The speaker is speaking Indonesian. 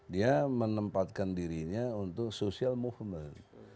dia menempatkan dirinya untuk social movement